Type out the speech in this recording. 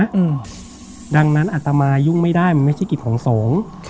อืมดังนั้นอัตมายุ่งไม่ได้มันไม่ใช่กิจของสงฆ์ค่ะ